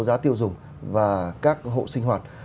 giá tiêu dùng và các hộ sinh hoạt